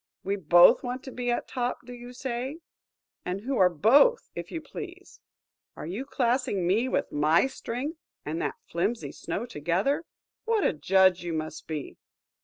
We both want to be at top, do you say? And who are both, if you please? Are you classing me, with my strength, and that flimsy snow together? What a judge you must be!"